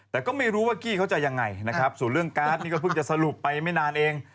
แต่ก็ไม่รู้ว่ากี้เขาจะยังไงนะครับส่วนเรื่องการ์ดนี่ก็เพิ่งจะสรุปไปไม่นานเอง